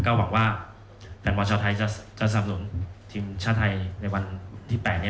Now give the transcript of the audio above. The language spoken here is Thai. ก็หวังว่าแฟนบอลชาวไทยจะสับหนุนทีมชาติไทยในวันที่๘นี้